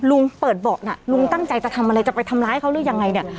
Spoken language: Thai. เปิดเบาะน่ะลุงตั้งใจจะทำอะไรจะไปทำร้ายเขาหรือยังไงเนี่ย